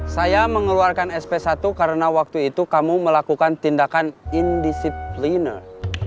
saya mengeluarkan sp satu karena waktu itu kamu melakukan tindakan indisipliner